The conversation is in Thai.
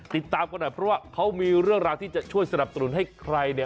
ติดตามกันหน่อยเพราะว่าเขามีเรื่องราวที่จะช่วยสนับสนุนให้ใครเนี่ย